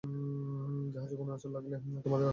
জাহাজে কোনো আঁচড় লাগলে, তোমাদের আস্ত রাখবো না।